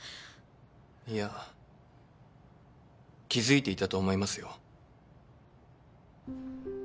いや気付いていたと思いますよ。